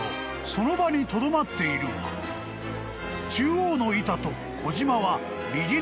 その場にとどまっているが中央の板と小島は右に進む］